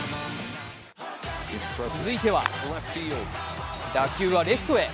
続いては、打球はレフトへ。